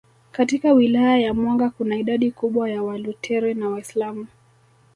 Katika Wilaya ya Mwanga kuna idadi kubwa ya Waluteri na Waislamu